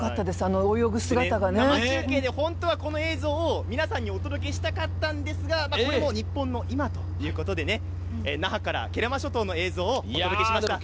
生中継で本当はこの映像を、皆さんにお届けしたかったんですがこれもニッポンの「今」ということで那覇から慶良間諸島の映像をお届けしました。